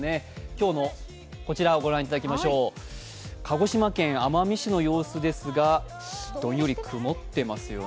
今日のこちらを御覧いただきましょう、鹿児島県奄美市の様子ですが、どんより曇っていますよね。